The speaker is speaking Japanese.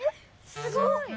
すごい！